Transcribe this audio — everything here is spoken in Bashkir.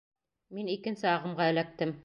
Мин икенсе ағымға эләктем.